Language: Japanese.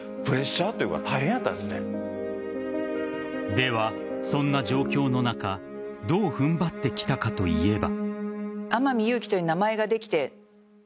では、そんな状況の中どう踏ん張ってきたかといえば。